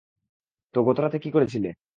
তো, গত রাতে কী করেছিলে?